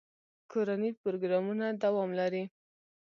کورني پروګرامونه دوام لري.